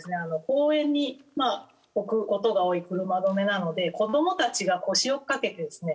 公園に置く事が多い車止めなので子供たちが腰を掛けてですね